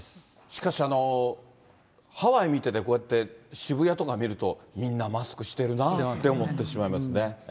しかしハワイ見てて、こうやって渋谷とか見ると、みんなマスクしてるなって思ってしまいますね。